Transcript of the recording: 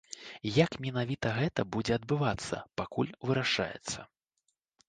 Як менавіта гэта будзе адбывацца, пакуль вырашаецца.